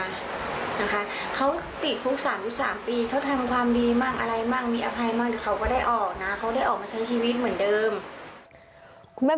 นะคะเค้าติดพุทธ๓๓ปีเค้าทำความดีมากอะไรมีอภัยมั่ง